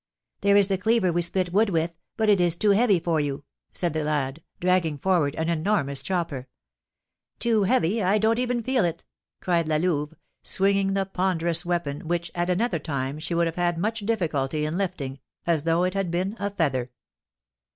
"There is the cleaver we split wood with, but it is too heavy for you," said the lad, dragging forward an enormous chopper. "Too heavy! I don't even feel it!" cried La Louve, swinging the ponderous weapon, which, at another time, she would have had much difficulty in lifting, as though it had been a feather.